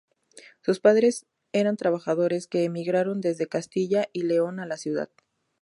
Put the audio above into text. Sus padres eran trabajadores que emigraron desde Castilla y León a la ciudad.